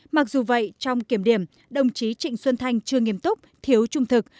mặc dù vậy trong kiểm điểm đồng chí trịnh xuân thanh chưa nghiêm túc thiếu trung thực